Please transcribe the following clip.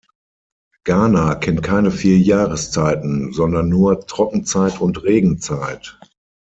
Ghana kennt keine vier Jahreszeiten, sondern nur Trockenzeit und Regenzeit.